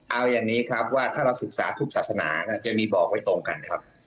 เอาอย่างนี้ครับว่าถ้าเราศึกษาทุกศาสนาจะมีบอกไว้ตรงกันครับ